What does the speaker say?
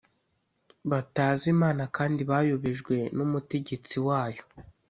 batazi Imana kandi bayobejwe n umutegetsi wayo